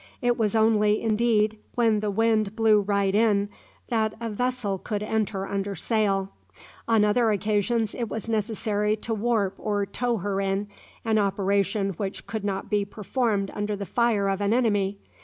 It was only, indeed, when the wind blew right in, that a vessel could enter under sail. On other occasions, it was necessary to warp or tow her in an operation which could not be performed under the fire of an enemy.